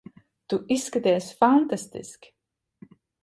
Tu izskaties fantastiski.